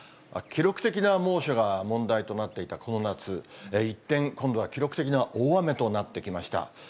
記録的な猛暑が問題となっていたこの夏、一転、今度は記録的な大雨となってきました。